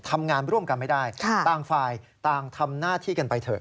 ทำงานร่วมกันไม่ได้ต่างฝ่ายต่างทำหน้าที่กันไปเถอะ